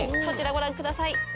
こちらご覧ください。